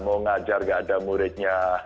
mau ngajar gak ada muridnya